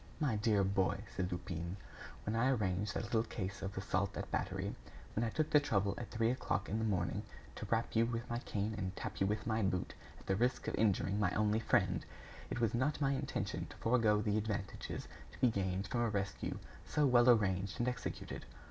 "My dear boy," said Lupin, "When I arranged that little case of assault and battery, when I took the trouble at three o'clock in the morning, to rap you with my cane and tap you with my boot at the risk of injuring my only friend, it was not my intention to forego the advantages to be gained from a rescue so well arranged and executed.